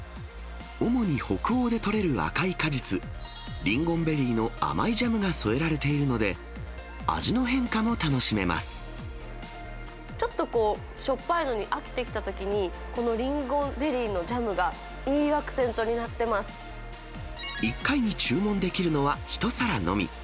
主に北欧で取れる赤い果実、リンゴンベリーの甘いジャムが添えられているので、味の変化も楽ちょっとこう、しょっぱいのに飽きてきたときに、このリンゴンベリーのジャムが、１回に注文できるのは１皿のみ。